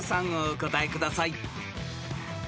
お答えください］